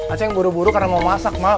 ak buru buru karena mau masak emak